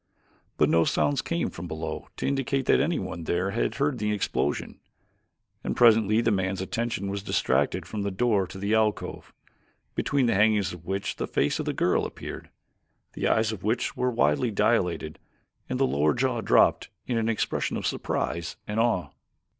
But no sounds came from below to indicate that anyone there had heard the explosion, and presently the man's attention was distracted from the door to the alcove, between the hangings of which the face of the girl appeared. The eyes were widely dilated and the lower jaw dropped in an expression of surprise and awe.